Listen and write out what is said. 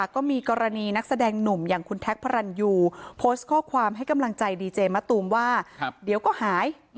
ก็มีกรณีนักแสดงหนุ่มอย่างคุณแท็กพระรันยูโพสต์ข้อความให้กำลังใจดีเจมะตูมว่าเดี๋ยวก็หาย